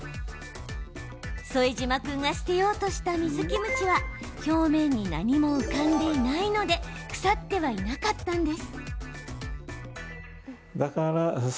副島君が捨てようとした水キムチは表面に何も浮かんでいないので腐ってはいなかったんです。